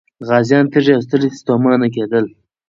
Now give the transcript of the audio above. غازيان تږي او ستړي ستومانه کېدل.